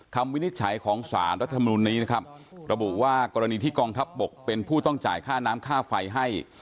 วินิจฉัยของสารรัฐมนุนนี้นะครับระบุว่ากรณีที่กองทัพบกเป็นผู้ต้องจ่ายค่าน้ำค่าไฟให้